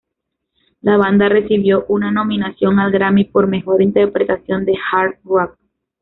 La banda recibió una nominación al Grammy por mejor interpretación de hard rock.